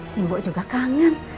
si mbok juga kangen